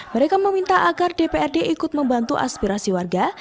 mereka meminta agar dprd ikut membantu aspirasi warga